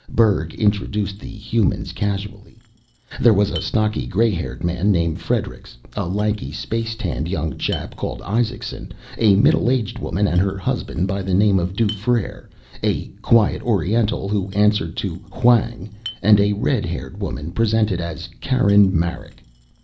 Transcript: Berg introduced the humans casually. There was a stocky gray haired man named Friedrichs, a lanky space tanned young chap called Isaacson, a middle aged woman and her husband by the name of Dufrere, a quiet Oriental who answered to Hwang, and a red haired woman presented as Karen Marek.